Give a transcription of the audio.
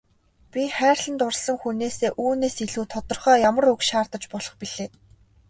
Би хайрлан дурласан хүнээсээ үүнээс илүү тодорхой ямар үг шаардаж болох билээ.